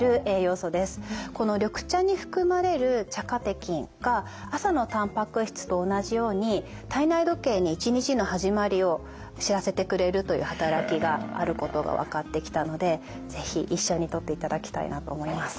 この緑茶に含まれる茶カテキンが朝のたんぱく質と同じように体内時計に一日の始まりを知らせてくれるという働きがあることが分かってきたので是非一緒にとっていただきたいなと思います。